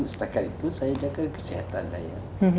setakat itu saya menjaga kesehatan saya